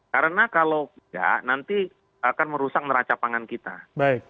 karena kalau nggak nanti akan merusak neraca pangan kita baik